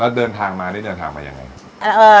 แล้วเดินทางมานี่เดินทางมายังไง